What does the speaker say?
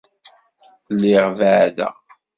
Lliɣ beɛɛdeɣ.